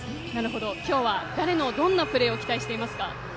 今日は誰のどんなプレーを期待していますか？